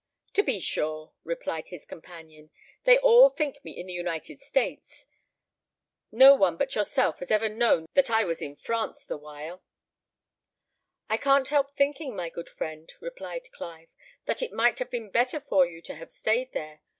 "To be sure," replied his companion; "they all think me in the United States. No one but yourself has ever known that I was in France the while." "I can't help thinking, my good friend," replied Clive, "that it might have been better for you to have stayed there.